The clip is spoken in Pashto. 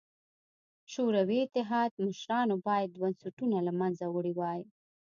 شوروي اتحاد مشرانو باید بنسټونه له منځه وړي وای.